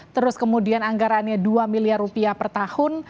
terus kemudian anggarannya dua miliar rupiah per tahun